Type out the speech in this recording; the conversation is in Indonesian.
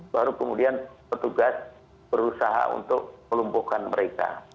baru kemudian petugas berusaha untuk melumpuhkan mereka